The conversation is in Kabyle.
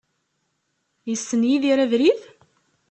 Yessen Yidir abrid?